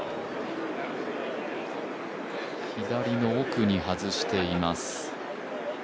左の奥に外しています。